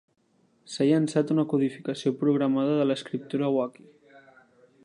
S'ha llançat una codificació programada de l'escriptura wakhi.